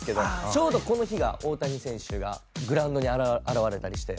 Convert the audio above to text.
ちょうどこの日が大谷選手がグラウンドに現れたりして。